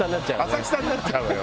浅草になっちゃうわよ